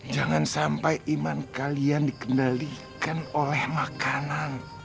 jangan sampai iman kalian dikendalikan oleh makanan